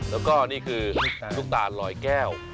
แล้วก็นี่คือลูกตาลลอยแก้ว